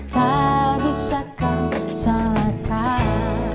tak bisa kau salahkan